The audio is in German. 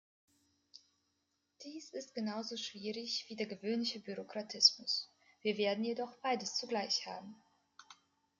Dies ist genauso schwierig wie der gewöhnliche Bürokratismus, wir werden jedoch beides zugleich haben.